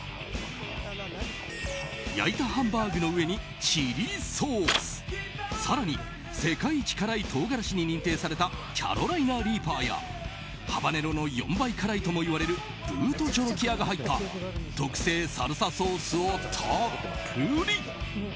焼いたハンバーグの上にチリソース更に世界一辛い唐辛子に認定されたキャロライナ・リーパーやハバネロの４倍辛いともいわれるブート・ジョロキアが入った特製サルサソースをたっぷり。